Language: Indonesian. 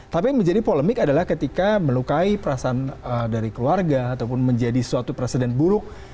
tapi yang menjadi polemik adalah ketika melukai perasaan dari keluarga ataupun menjadi suatu presiden buruk